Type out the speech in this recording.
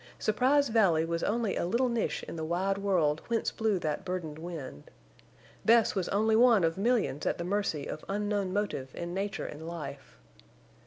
Surprise Valley was only a little niche in the wide world whence blew that burdened wind. Bess was only one of millions at the mercy of unknown motive in nature and life.